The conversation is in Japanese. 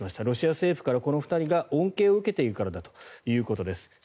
ロシア政府からこの２人が恩恵を受けているからだということです。